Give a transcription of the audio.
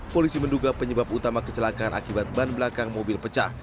polisi menduga penyebab utama kecelakaan akibat ban belakang mobil pecah